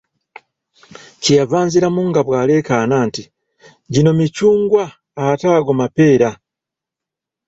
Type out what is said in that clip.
Kye yava anziramu nga bw'aleekaana nti, gino micungwa ate ago mapeera.